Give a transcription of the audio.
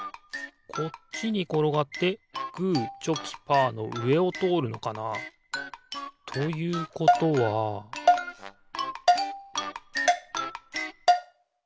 こっちにころがってグーチョキパーのうえをとおるのかな？ということはピッ！